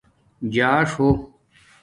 جاݽ ہو